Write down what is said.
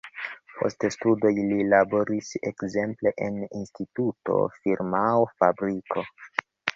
Post studoj li laboris ekzemple en instituto, firmao, fabriko.